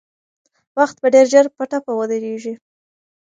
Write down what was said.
وخت به ډېر ژر په ټپه ودرېږي.